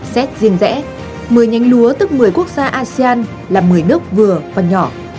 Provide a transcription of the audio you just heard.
xét riêng rẽ một mươi nhánh lúa tức một mươi quốc gia asean là một mươi nước vừa và nhỏ